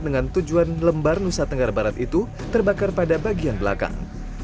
dengan tujuan lembar nusa tenggara barat itu terbakar pada bagian belakang